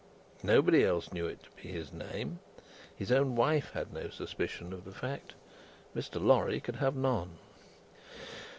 Nobody else knew it to be his name; his own wife had no suspicion of the fact; Mr. Lorry could have none.